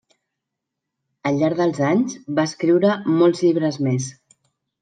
Al llarg dels anys, va escriure molts llibres més.